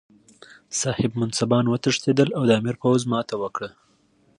صاحب منصبان وتښتېدل او د امیر پوځ ماته وکړه.